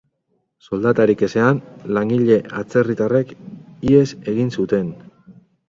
Soldatarik ezean, langile atzerritarrek ihes egin zuten.